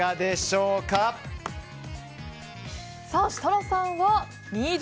設楽さんは緑。